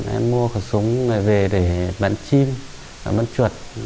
em mua khẩu súng này về để bắn chim bắn chuột